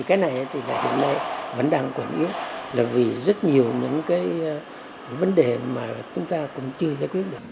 cái này hiện nay vẫn đang quẩn yếu vì rất nhiều vấn đề mà chúng ta cũng chưa giải quyết được